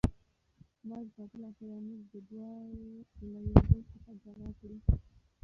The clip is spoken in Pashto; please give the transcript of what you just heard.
مرګ به بالاخره موږ دواړه له یو بل څخه جلا کړي.